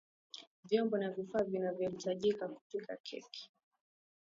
Vyombo na vifaa vinavyahitajika kupika keki